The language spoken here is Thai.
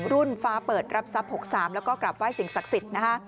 ฟ้าเปิดรับทรัพย์๖๓แล้วก็กลับไห้สิ่งศักดิ์สิทธิ์นะคะ